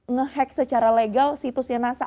ngehack secara legal situsnya nasa